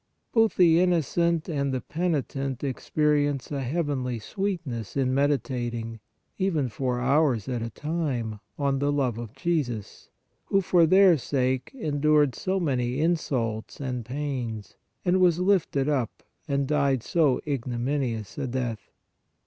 Both the innocent and the penitent experience a heavenly sweetness in meditating, even for hours at a time, on the love of Jesus, who for their sake, endured so many insults and pains and was " lifted up " and died so ignominious a death.